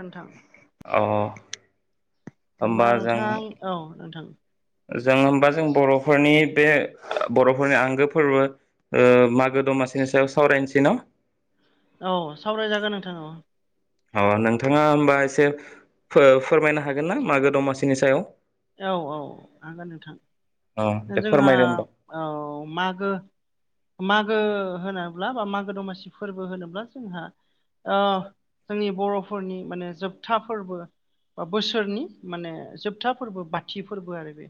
दोन्थां। अ होमबा नोंथां औ नोंथां। जों होमबा जों बर'फोरनि बे बर'फोरनि आंगो फोरबो ओ मागो दमासिनि सायाव सावरायनोसै न'? औ सावरायजागोन नोंथां औ। अ नोंथाङा होमबा एसे फो-फोरमायनो हागोन ना मागो दमासिनि सायाव? औ औ हागोन नोंथां। अ दे जोंहा फोरमायदो होमबा औ मागो मागो होनाब्ला बा मागो दमासि फोरबो होनोब्ला जोंहा ओ जोंनि बर' फोरनि माने जोबथा फोरबो बा बोसोरनि माने जोबथा फोरबो बाथि फोरबो आरो बे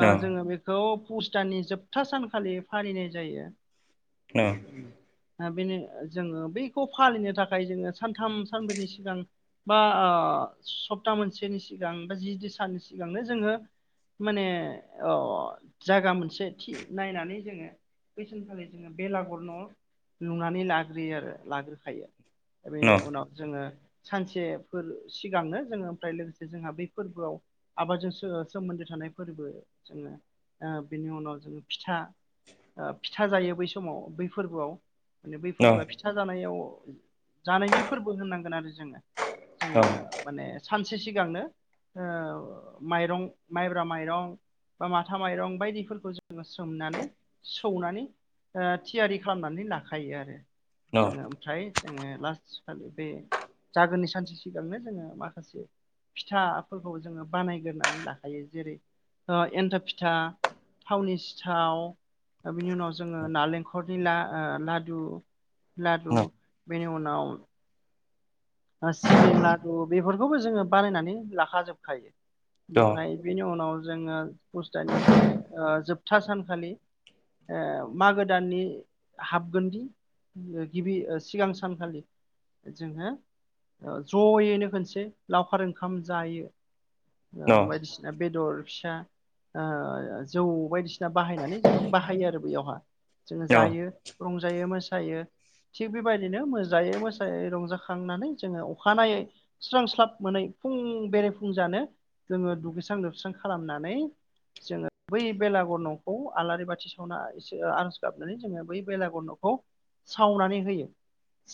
ओ औ जोङो बेखौ पुस दाननि जोबथा सानखालि फालिनाय जायो। औ ओ बेनो जोङो बैखौ फालिनो थाखाय जोङो सानथाम सानब्रैनि सिगां बा ओ सप्ता मोनसेनि सिगां बा जि साननि सिगांनो जोङो माने अ जायगा मोनसे थि नायनानै जोङो बैसानखालि जोङो बेलागुर न' लुनानै लाग्रोयो आरो लाग्रोखायो। बेनि न' उनाव जोङो सानसेफोर सिगांनो जोङो ओमफ्राय लोगोसे जोंहा बै फोरबोआव आबादजों सो-सोमोन्दो थानायफोरबो जोङो आ बिनि उनाव जोङो फिथा ओ फिथा जायो बै समाव बै फोरबोआव। माने न' बैफोरबोआ फिथा जानायाव जानायनि फोरबो होननांगोन आरो जोङो जोङो माने सानसे सिगांनो ओ माइरं माइब्रा माइरं बा माथा माइरं बायदिफोरखौ जोङो सोमनानै सौनानै ओ थियारि खालामनानै लाखायो आरो न' द न' जोङो ओमफ्राय जोङो लास खालि बे जागोननि सानसे सिगांनो जोङो माखासे फिथाफोरखौ जोङो बानायग्रोनानै लाखायो जेरै ओ एन्थाब फिथा थावनि सिथाव बिनि उनाव जोङो नालेंखरनि ला ओ लादु लादु बेनि उनाव ओ सिबिं लादु बेफोरखौबो जोङो बानायनानै लाखाजोबखायो। ओमफ्राय बेनि उनाव जोङो फुस दाननि बे ओ जोबथा सानखालि ओ मागो दाननि हाबगोनदि गिबि ओ सिगां सानखालि जोङो ओ जयैनो खोनसे लावखार ओंखाम जायो। ओ बायदिसिना बेदर फिसा‌ ओ जौ बायदिसिना बाहायनानै जोङो बाहायो आरो बैयावहा। जोङो जायो रंजायो मोस सायो थिग बेबायदिनो मोजायो मोसायै रंजाखांनानै जोङो अखानायै सोरांस्लाब मोनै फुं बेरेफुंजानो जोङो दुगैस्रां लोबस्रां खालामनानै जोङो बै बेलागुर न'खौ आलारि बाथि सावना एसे आर'ज गाबनानै जोङो बै बेलागुर न'खौ सावनानै होयो।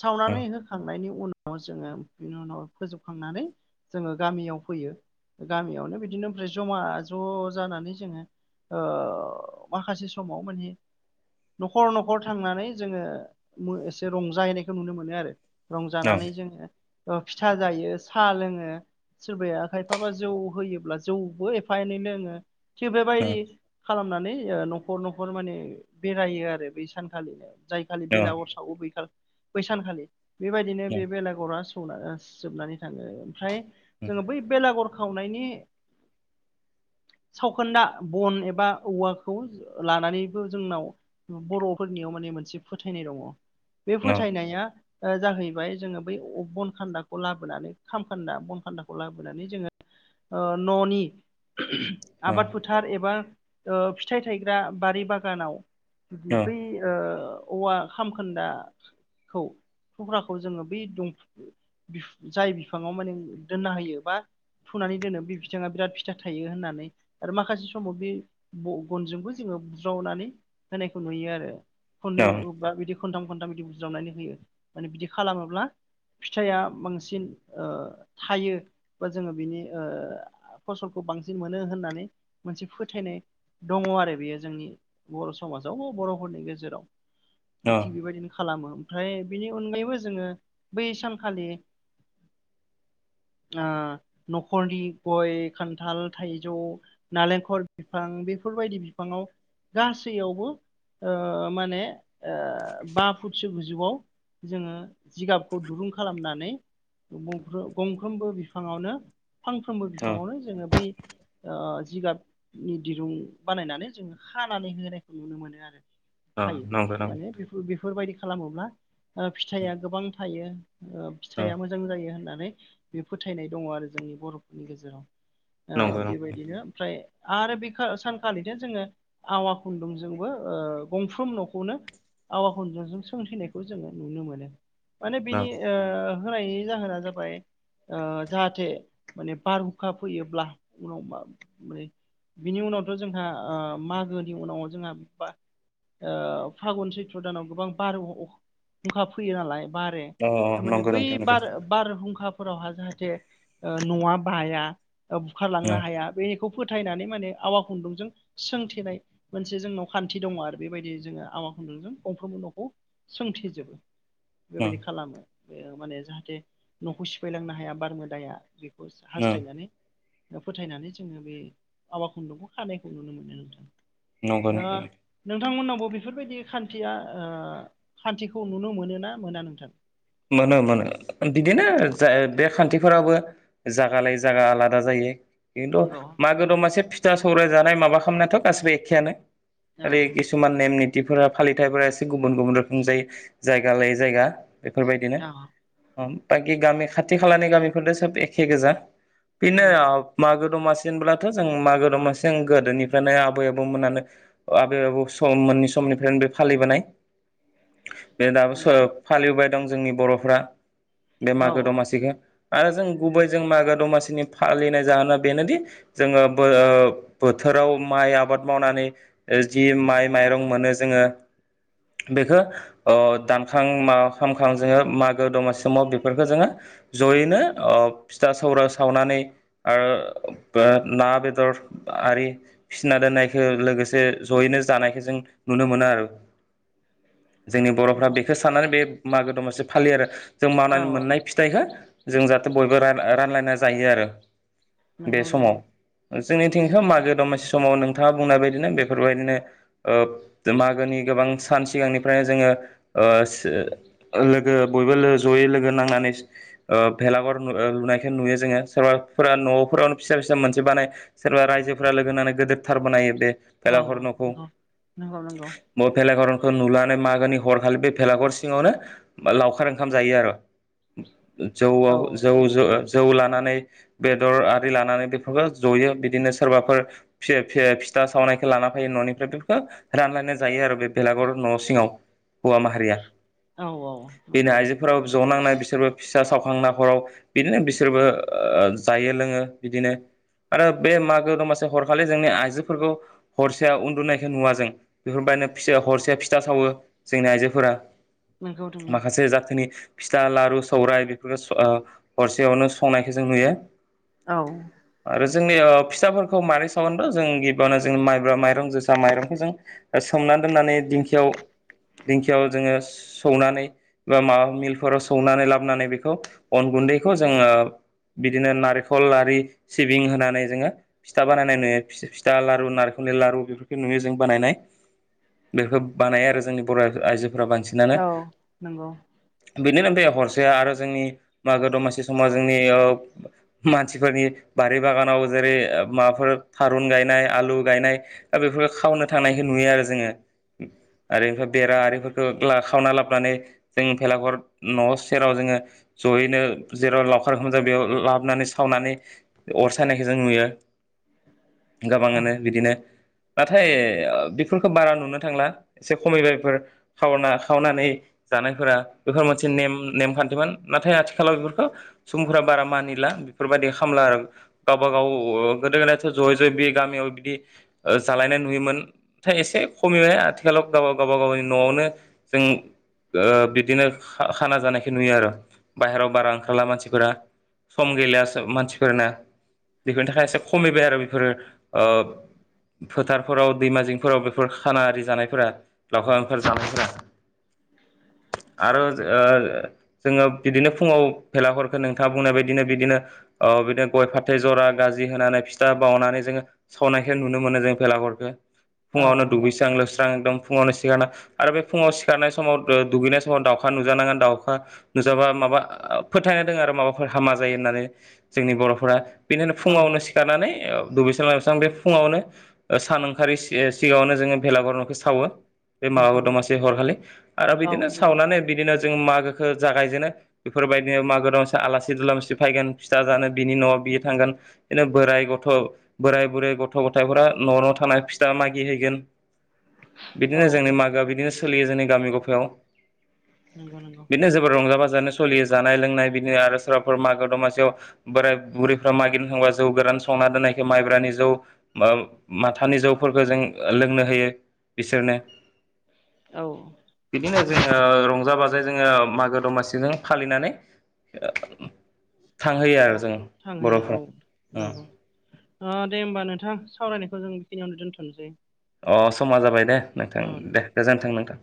सावनानै होखांनायनि उनाव जोङो बिनि उनाव फोजोबखांनानै जोङो गामियाव फैयो। गामियावनो बिदिनो ओमफ्राय जमा ज' जानानै जोङो ओ माखासे समाव माने न'खर न'खर थांनानै जोङो एसे रंजाहैनायखौ नुनो मोनो आरो। जानानै जोङो ओ फिथा जायो सा लोङो सोरबाया खायफाबा जौ होयोब्ला जौबो एफा एनै लोङो थिग बेबायदि खालामनानै ओ न'खर न'खर माने बेरायो आरो बै सानखालिनो जाय खालि बेलागुर सावो बैखालि बैसानखालि बेबायदिनो बे बेलागुरा [unintelligible] जोबनानै थाङो ओमफ्राय जोङो बै बेलागुर सावनायनि [inaudible] सावखोन्दा बन एबा औवाखौ लानानैबो जोंनाव बर'फोरनियाव माने मोनसे फोथायनाय दङ बे फोथायनाया ओ जाहैबाय जोङो बै बन खान्दाखौ लाबोनानै खामखान्दा बनखान्दाखौ लाबोनानै जोङो ओ न'नि आबाद फोथार एबा ओ फिथाइ थायग्रा बारि बागानाव बै ओ औवा खामखोन्दा खौ थुख्राखौ जोङो बै [unintelligible] जाय बिफाङाव माने दोनना होयो बा फुनानै दोनो बे बिथाङा बिराद फिथाइ थायो होननानै आरो माखासे समाव बे गनजोंबो जोङो बुज्रावनानै होनायखौ नुयो आरो खननै अबेबा बिदि खनथाम खनथाम बिदि बुज्रावनानै होयो माने बिदि खालामोब्ला फिथाइया बांसिन ओ थायो बा जोङो बिनि ओ फसलखौ बांसिन मोनो होननानै मोनसे फोथायनाय दङ आरो बेयो जोंनि बर' समाजाव बर'फोरनि गेजेराव थिग बेबायदिनो खालामो ओमफ्राय बेनि अनगायैबो जोङो बै सानखालि [inaudible] ओ न'खरनि गय खान्थाल थाइजौ नालेंखर बिफां बेफोरबायदि बिफाङाव गासैयावबो ओ माने ओ बा फुटसो गोजौवाव जोङो जिगाबखौ दुरुं खालामनानै गंग्र-गंफ्रोमबो बिफाङावनो फांफ्रोमबो बिफाङावनो जोङो बै ओ जिगाबनि दिरुं बानायनानै जोङो हानानै होनायखौ नुनो मोनो आरो खायो न' न' नंगौ माने बेफोरबायदि खालामोब्ला न फिथाइआ थायो ओ फिथाइआ मोजां जायो होननानै बे फोथायनाय दङ आरो जोंनि बर'फोरनि गेजेराव औ नंगौ नंगौ बेबायदिनो ओमफ्राय आरो बेखा सानखालिनो जोङो आवा खुन्दुंजोंबो ओ गंफ्रोम न'खौनो आवा खुन्दुंजों सोंथेनायखौ जोङो नुनो मोनो माने न बिनि ओ होनायनि जाहोना जाबाय ओ जाहाथे माने बारहुखा फैयोब्ला उनाव [unintelligible] बिनि उनावथ' जोंहा ओ मागोनि उनाव जोंहा बा ओ फागुन सैत्र दानाव गोबां बार हुंखा फैयो नालाय बारे अ थारमाने नंगौ बै नोंथां नंगौ बार बारहुंखा फोरावहा जाहाथे ओ न'आ बाया ओ बुखारलांनो हाया बे खौ फोथायनानै माने आवा खुन्दुंजों सोंथेनाय मोनसे जोंनाव खान्थि दङ आरो बेबायदि जोङो आवा खुन्दुंजों गंफ्रोमबो न'खौ सोंथेजोबो ओ बेबायदि खालामो बे माने जाहाथे न'खौ सिफायलांनो हाया बारमोदाया बे ओ हास्थायनानै फोथायनानै जोङो बे आवा खुन्दुंखौ खानायखौ नुनो मोनो नोंथां नंगौ नोंथां नोंथांमोनावबो बेफोरबायदि खान्थिया ओ खान्थिखौ नुनो मोनो ना मोना नोंथां? मोनो मोनो बिदिनो जा ओ बे खान्थिफोरावबो जायगा लायै जायगा आलादा जायो खिन्थु नंगौ मागो औ दमासे फिथा सौराय जानाय माबा खालामनायाथ' गासिबो एखेयानो औ आरो खिसुमान नेम नि थिफोरा फालिथायफोरा एसे गुबुन गुबुन रोखोम जायै जायगा लायै जायगा बेफोरबायदिनो औ ओम बाखि गामि खाथि खालानि गामिफोरथ' सोब एखे गोजा। बिनो नंगौ अब मागो दमास सिनब्लाथ' जों मागो दमासि जों गोदोनिफ्रायनो आबै आबौमोनानो आबै आबौ सम मोननि सम निफ्राय बे फालिबोनाय। बे दाबो नंगौ सराब फालिवबाय दं जोंनि बर'फ्रा बे औ मागो औ दमासिखो आरो जों गुबै जों मागो दमासिनि फालिनाय जाहोना बेनोदि जोंङो बो- बोथोर फ्राव माइ आबाद मावनानै जि माइ माइरं मोनो जोंङो बेखौ ओ दानखां मा खामखां जोंङो मागो दमासि समाव बेफोरखो जोंङो ज'यैनो अब फिथा सौरा सावनानै यै आरो बो ना बेदर आरि फिसिना दोननायखौ लोगोसे जयैनो जानायखौ जों नुनो मोनो आरो। जोंनि बर'फ्रा नंगौ बेखौ साननानै बे मागो दमासि फालियो आरो। जों औ मानानै मोननाय फिथाइखौ जों जाहाथे बयबो रालाय रानलायना जायो आरो। नोंगौ नोंगौ। ओ जोंनिथिं थो मागो दमासि समाव नोंथांङा बुंनाय बायदिनो बेफोरबायदिनो ओ मागोनि गोबां सान सिगांनिफ्रायनो जोंङो ओ सो लोगो बयबो लोगो जयै लोगो नांनानैज ओ भेलागर लुनायखौ ओ नुयो जोंङो सोरबा फोरा न'फोरावनो फिसा फिसा मोनसे बानाय सोरबा रायजोफोरा लोगोननानै गिदोरथार बानायो बे औ फेलागुर न'खौ नंगौ नंगौ नंगौ मो फेलागुर नुलानै मागोनि हरखालि बे भेलागुर सिंङावनो लावखार ओंखाम जायो आरो। जौ आव औ जौ जो जौ लानानै बेदर आरि लानानै बेफोरखौ जयो बिदिनो सोरबाफोर फियो फियो फिथा सावनायखौ लाना फैायो न'निफ्राय बेफोरखौ रानलायनाय जायो आरो बे बेलागुर न' सिंङाव। हौवा माहारिया औ औ बेनो नंगौ आइजोफोराव ज' नांनाय बिसोरबो फिसा सावखांना हराव बिदिनो बिसोरबो ओ जायो लोंङो बिदिनो। आरो बे मागो दमासि हरखालि जोंनि आइजोफोरखौ हरसे उन्दुनायखौ नुवा जों बेफोरबाय आनो फिसो हरसे फिथा सावो जोंनि आइजोफोरा। नंगौ माखासे जाथिनि फिथा लारु सौरायाइ बेफोरखो स हरसेयावनो संनायखौ जों नुयो, औ आरो जोंनि फिथसाफोरखौ मारै साव जों गिबियावनो जों माइब्रा माइरं जोसा माइरंखौ जों ओ सोमना दोननानै दिंखियाव दिंखियाव जोंङो सौनानै बा माबा मिलफोराव सौनानै लाबोनानै बेखौ अन गुन्दैखौ जोंङो बिदिनो नारिखल लारि सिबिं होनानै जोंङो फिथा बानायनाय नुयो, फिथा लारु नारे लारु बेफोरखौ नुयो जों बानायनाय बेखो बानायो आरो जोंनि बर' आइ आइजो फोरा बांसिनानो अ नंगौ। बेनो ओमफ्राय हरसेया आरो जोंनि मागो दमासि समाव जोंनि ओ मानसिफोरनि बारि बागानाव जेरै माबाफोर थारुन गायनाय आलु गायनाया ओ बे बेफोर खावनो थांनायखौ नुयो आरो जोंङो आरो ओमफाय बेरा आरिफोरखौ खावना लाब नानै जों भेलागुर न' सेराव जोंङो जयैनो जेराव लावखार ओंखाम जायो बेयाव लाव हाबनानै सावनानै अर सानायखौ जों नुयो औ गोबांङानो बिदिनो नाथाय बेफोरखौ बारा नुनो थांला एसे खमैलफोर खावना खावनानै जानायफोरा बेफोर मोनसे नेम नेम खान्थिमोन नाथाय आथिखालाव बेफोरखौ सुबुंफोरा बारा मानिला बेफोरबादि खामला आरो गावबा गावो गोदो गोदायथ' ज'यै ज'यै बे गामियाव बिदि ओ जालायनाय नुयोमोन थाय एसे खमिबाय आ खालाव गाव गाबागावनि न'आवनो जों ओ बिदिनो खा खाना जानायखौ नुयो आरो बाहेरायाव बारा ओंखारला मानसिफोरा सम गैलासो मानसिफोरनो बेफोरनि थाखाय एसे खमैबाय आरो बेफोरो ओब फोथारफोराव दैमाजिंफोराव बेफोर खाना आरि जानायफोरा लावखार ओंखार जानायफोरा [unintelligible] आरोज ओ जोङो बिदिनो फुङाव भेलागर नोंथाङा बुंनाय बायदिनो बिदिनो ओ औ बिदिनो गय फाथै जरा गाजि होनानै फिथा बावनानै जोङो सावनायखौ नुनो मोनो जों भेलागरखो औ फुङावनो दुगैस्रां लोबस्रां एकदम फुङावनो सिखारना आरो बे फुङाव सिखारनाय समाव ओ दुगैनाय समाव दाउखा नुजानाङा दाउखा नुजाबा माबा फोथायनाय दोङो आरो माबाफोर हामा जायो होनना नानै जोंनि बर'फोरा बेनिनो औ फुङावनो सिखारनानै ओ दुगैस्रां लोबस्रां बे बेफुङावनो ओ सान ओंखारै से सिगाङावनो जोङो भेलागर न'खो सावो बे मागो नंगौ दमासि हरखालि आरो औ बिदिनो नंगौ सावनानै बिदिनो जों मागोखो जागायजेनो बेफोरबायदिनो मागो दमासि आलासि दुलामसि फायगोन फिथा जानो बिनि न'आव बियो थांगोन नो बोराय गथ' बोराय बुरै गथ' गथायफोरा न' न' थांना फिथा मागि हैैगोन। औ बिदिनो जोंनि मागोआ बिदिनो सोलियो जोंनि गामि गफायाव नंगौ नंगौ बिदिनो जोबोर रंजा बाजा जानो‌ सलियो जानाय लोंनाय बिदिनो आरो सोरबाफोर मागो दमासियाव बोराय बुरैफ्रा मागिनो थांबा जौ गोरा संना दोननायखौ माइब्रानि जौ मा-माथानि जौफोरखौ जों लोंनो होयो बिसोरनो औ बिदिनो जोङो रंजा बाजायै जोङो मागो दमासिजों फालिनानै [unintelligible] थांहोयो औ आरो जों बर'फ्रा उम अ दे होमबा नोंथां सावरायनायखौ जों बेखिनियावनो दोनथ'नोसै। अ समा जाबाय दे नोंथां औ दे गोजोन्थों नोंथां।